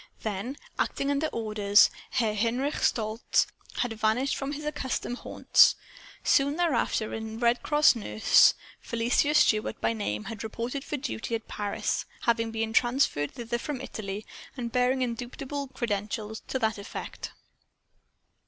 Then, acting under orders, Herr Heinrich Stolz had vanished from his accustomed haunts. Soon thereafter a Red Cross nurse Felicia Stuart by name had reported for duty at Paris, having been transferred thither from Italy, and bearing indubitable credentials to that effect.